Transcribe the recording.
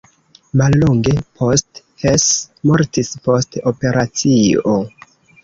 Mallonge post Hess mortis post operacio.